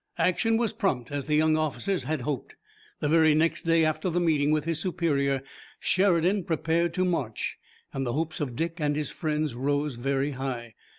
Action was prompt as the young officers had hoped. The very next day after the meeting with his superior, Sheridan prepared to march, and the hopes of Dick and his friends rose very high.